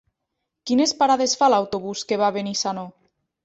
Quines parades fa l'autobús que va a Benissanó?